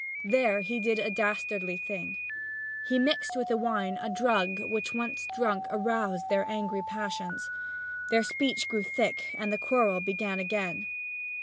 There he did a dastardly thing. He mixed with the wine a drug which, once drunk, aroused their angry passions. Their speech grew thick and the quarrel began again.